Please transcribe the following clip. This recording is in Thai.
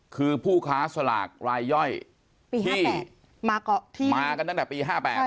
คือผู้ค้าสลากรายย่อยที่มากันตั้งแต่ปี๕๘